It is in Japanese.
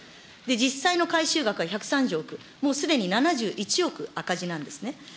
実際の回収額は１３０億、もうすでに７１億赤字なんですね。